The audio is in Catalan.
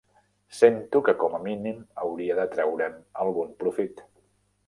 Sento que com a mínim hauria de treure'n algun profit.